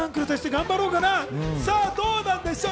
さぁ、どうなんでしょう？